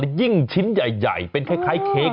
ยิ่งชิ้นใหญ่เป็นคล้ายเค้ก